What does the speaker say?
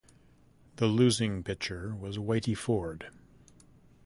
The losing pitcher was Whitey Ford.